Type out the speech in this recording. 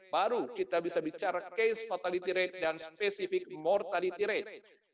baru kita bisa bicara case fatality rate dan spesifik mortality rate